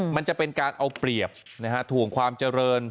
มันจะเป็นการเอาเปรียบถ่วงความเจริญ